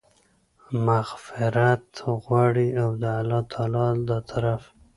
مغفرت غواړي، او د الله تعالی د طرفه